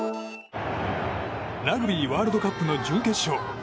ラグビーワールドカップの準決勝。